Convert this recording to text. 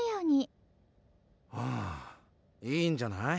うんいいんじゃない？